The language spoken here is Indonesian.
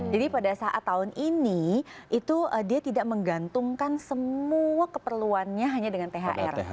jadi pada saat tahun ini dia tidak menggantungkan semua keperluannya hanya dengan thr